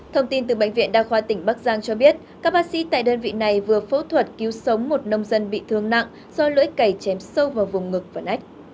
thông tin từ bệnh viện đa khoa tỉnh bắc giang cho biết các bác sĩ tại đơn vị này vừa phẫu thuật cứu sống một nông dân bị thương nặng do lưỡi cẩy chém sâu vào vùng ngực và ách